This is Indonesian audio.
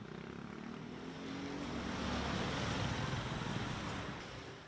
pembangunan jawa barat di jawa barat